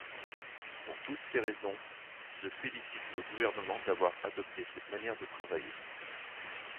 Pour toutes ces raisons, je félicite le Gouvernement d’avoir adopté cette manière de travailler.